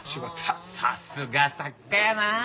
さすが作家やなあ！